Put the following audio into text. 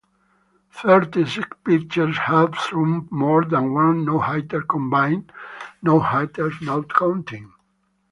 Thirty-six pitchers have thrown more than one no-hitter, combined no-hitters not counting.